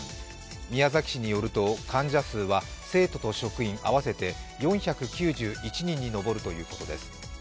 宮崎市によると患者数は生徒と職員合わせて４９１人に上るということです。